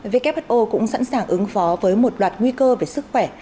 who cũng sẵn sàng ứng phó với một loạt nguy cơ về sức khỏe